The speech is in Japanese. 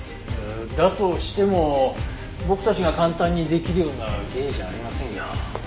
だとしても僕たちが簡単にできるような芸じゃありませんよ。